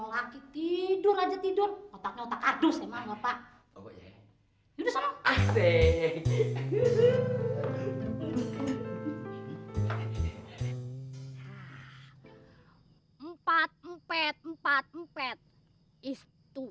warga sini mau